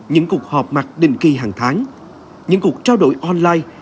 những cuộc họp mặt định kỳ hàng tháng những cuộc trao đổi online